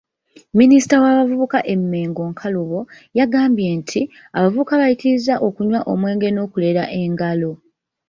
Minisita w’abavubuka e Mmengo Nkakubo, yagambye nti, "abavubuka bayitirizza okunywa omwenge n’okulera engalo".